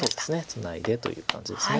ツナいでという感じです。